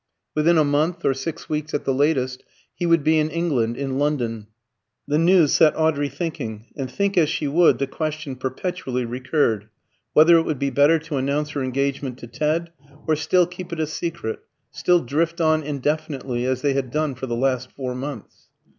Within a month, or six weeks at the latest, he would be in England, in London. The news set Audrey thinking, and think as she would the question perpetually recurred, Whether would it be better to announce her engagement to Ted, or still keep it a secret, still drift on indefinitely as they had done for the last four months?